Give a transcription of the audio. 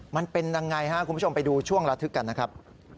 มันเป็นยังไงครับคุณผู้ชมไปดูช่วงระทึกกันนะครับ